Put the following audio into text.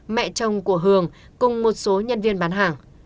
mẹ chồng của hường cùng một số nhân viên bán hàng